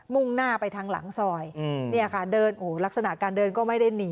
่งหน้าไปทางหลังซอยเนี่ยค่ะเดินโอ้โหลักษณะการเดินก็ไม่ได้หนี